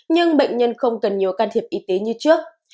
nhưng bệnh nhân không cần nhiều can thiệp y tế như trước